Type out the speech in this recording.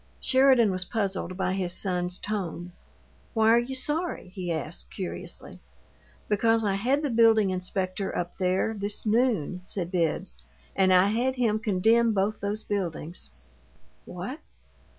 Sheridan was puzzled by his son's tone. "Why are you 'sorry'?" he asked, curiously. "Because I had the building inspector up there, this noon," said Bibbs, "and I had him condemn both those buildings." "What?"